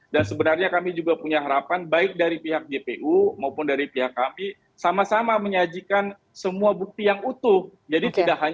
dan sebenarnya kami juga punya harapan baik dari pihak jpu maupun dari pihak kami sama sama menyajikan semua bukti yang utuh